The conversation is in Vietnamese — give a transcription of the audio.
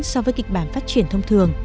so với kịch bản phát triển thông thường